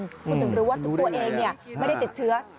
คุณถึงรู้ว่าตัวเองไม่ได้ติดเชื้อ